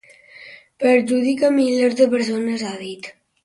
Perjudica milers de persones, ha dit.